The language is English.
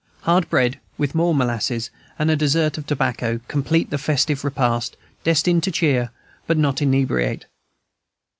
Hard bread, with more molasses, and a dessert of tobacco, complete the festive repast, destined to cheer, but not inebriate.